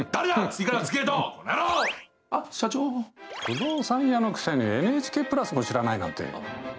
不動産屋のくせにＮＨＫプラスも知らないなんて。